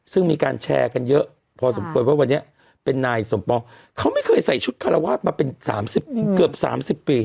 ซึ่งมีการแชร์กันเยอะพอสมควรว่าวันนี้